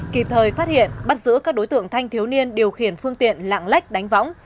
kịp thời phát hiện bắt giữ các đối tượng thanh thiếu niên điều khiển phương tiện lạng lách đánh võng